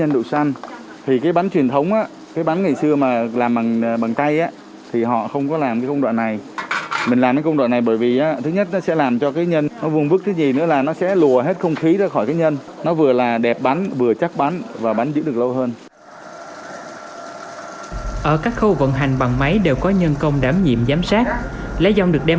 đồ xanh thì mình cũng lộng tác là mình vo sau đó mình mới ngâm